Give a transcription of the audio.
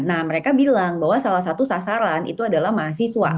nah mereka bilang bahwa salah satu sasaran itu adalah mahasiswa